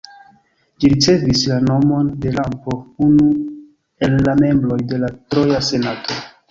Ĝi ricevis la nomon de Lampo, unu el la membroj de la troja senato.